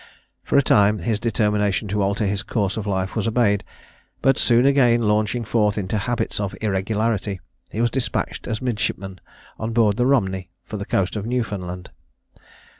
For a time his determination to alter his course of life was obeyed; but soon again launching forth into habits of irregularity, he was despatched as midshipman on board the Romney, for the coast of Newfoundland.